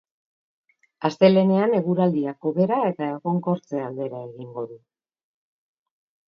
Astelehenean eguraldiak hobera eta egonkortze aldera egingo du.